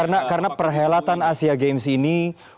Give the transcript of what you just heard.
karena perhelatan asia games ini